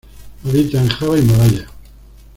Habita en Java y Malaya.